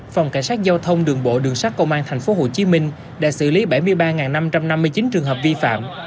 phòng cảnh sát giao thông đường bộ đường sát công an tp hcm đã xử lý bảy mươi ba năm trăm năm mươi chín trường hợp vi phạm